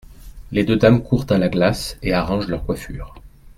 Les deux dames courent à la glace et arrangent leur coiffure.